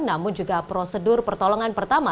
namun juga prosedur pertolongan pertama